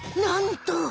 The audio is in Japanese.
なんと！